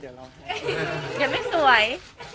ยังไม่สวย